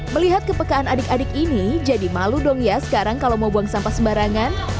melihat kepekaan adik adik ini jadi malu dong ya sekarang kalau mau buang sampah sembarangan